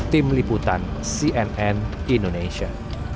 tim liputan cnn indonesia